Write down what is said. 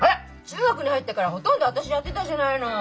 中学に入ってからほとんど私やってたじゃないの。